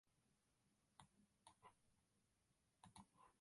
அவர் பேசிய பிறகு மழை இல்லை என்றால் நான் பேசுவேன் என்று சொல்லி அமர்ந்தார்.